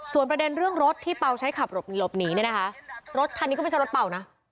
ส่วนประเด็นเรื่องรถที่เป่าใช้ขับหลบหนีเนี่ยนะคะรถคันนี้ก็ไม่ใช่รถเป่านะ